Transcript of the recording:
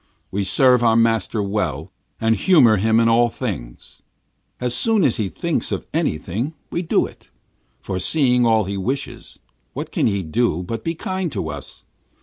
We serve our master well, and humour him in all things. As soon as he thinks of anything, we do it: foreseeing all his wishes. What can he do but be kind to us?